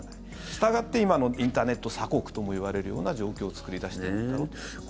したがって今のインターネット鎖国ともいわれるような状況を作り出しているんだろうと思います。